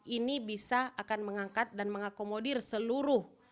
ini bisa akan mengangkat dan mengakomodir seluruh